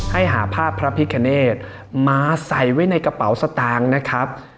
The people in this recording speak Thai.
ให้หาภาพพระพิคเนธมาใส่ไว้ในกระเป๋าสตางค์นะครับ